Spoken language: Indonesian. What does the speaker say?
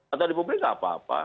atau di publik nggak apa apa